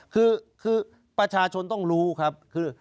คือประชาชนต้องรู้ครับคือ